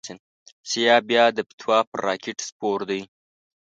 سیاف بیا د فتوی پر راکېټ سپور دی.